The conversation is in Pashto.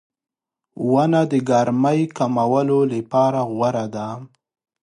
• ونه د ګرمۍ کمولو لپاره غوره ده.